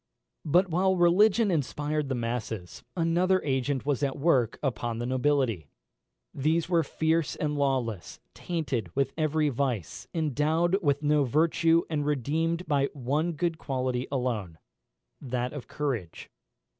But while religion inspired the masses, another agent was at work upon the nobility. These were fierce and lawless; tainted with every vice, endowed with no virtue, and redeemed by one good quality alone, that of courage.